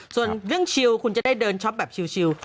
ส่วนเรื่องชิลคุณจะได้เดินช็อปแบบชิล